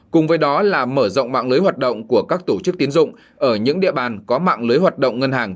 cùng với đó là mở rộng mạng lưới hoạt động của các tổ chức tiến dụng ở những địa bàn có mạng lưới hoạt động ngân hàng